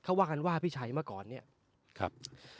เขาว่ากันว่าพี่ชัยเมื่อก่อนเนี่ยครับ